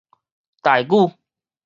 臺語